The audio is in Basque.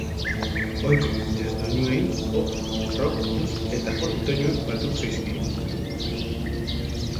Ohiko jazz doinuei pop, rock, blues eta folk doinuak batuko zaizkie.